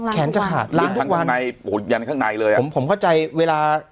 แขนจะขาดล้างทุกวันอย่างข้างในเลยผมเข้าใจเวลา